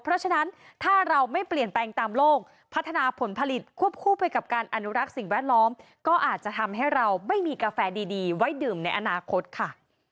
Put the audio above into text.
เพราะฉะนั้นถ้าเราไม่เปลี่ยนแปลงตามโลกพัฒนาผลผลิตควบคู่ไปกับการอนุรักษ์สิ่งแวดล้อมก็อาจจะทำให้เราไม่มีกาแฟดีไว้ดื่มในอนาคตค่ะ